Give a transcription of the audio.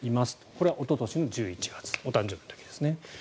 これはおととしの１１月お誕生日の時ですね。